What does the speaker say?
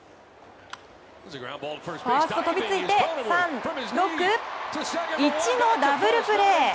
ファースト、飛びついて３−６−１のダブルプレー！